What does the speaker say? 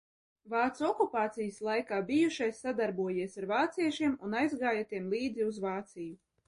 Vācu okupācijas laikā bij sadarbojies ar vāciešiem, un aizgāja tiem līdzi uz Vāciju.